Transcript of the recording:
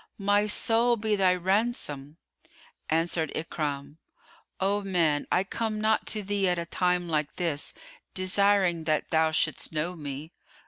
My soul be thy ransom!" Answered Ikrimah, "O man I come not to thee at a time like this desiring that thou shouldst know me."